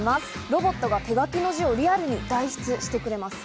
ロボットが手書きの字をリアルに代筆してくれます。